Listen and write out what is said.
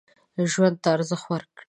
ژوند ته ارزښت ورکړئ.